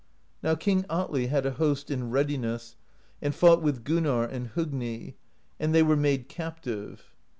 Now King Atli had a host in readiness, and fought with Gunnarr and Hogni; and they were made captive.